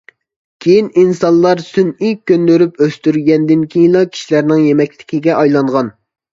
كېيىن، ئىنسانلار سۈنئىي كۆندۈرۈپ ئۆستۈرگەندىن كېيىنلا كىشىلەرنىڭ يېمەكلىكىگە ئايلانغان.